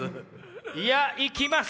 いやいきます！